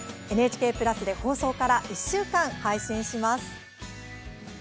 ＮＨＫプラスで放送から１週間、配信します。